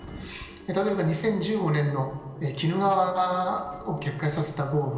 例えば２０１５年の鬼怒川を決壊させた豪雨。